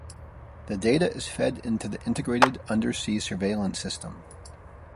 The data is fed into the Integrated Undersea Surveillance System.